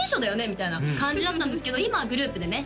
みたいな感じだったんですけど今はグループでね